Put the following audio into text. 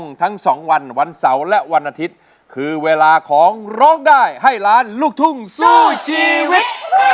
ทั้ง๒วันวันเสาร์และวันอาทิตย์คือเวลาของร้องได้ให้ล้านลูกทุ่งสู้ชีวิต